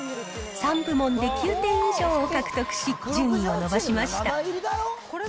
３部門で９点以上を獲得し、順位を伸ばしました。